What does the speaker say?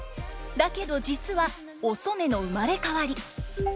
だけど実はお染の生まれ変わり。